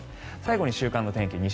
最後に週間の天気